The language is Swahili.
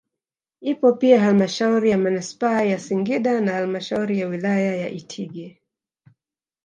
ipo pia Hlmashauri ya Manispaa ya Singida na halmashauri ya wilaya ya Itigi